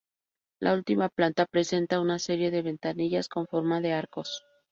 La última planta presenta una serie de ventanillas con forma de arcos.